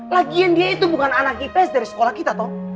lagian dia itu bukan anak ips dari sekolah kita toh